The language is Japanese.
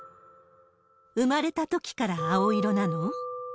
生まれたときから青色なの？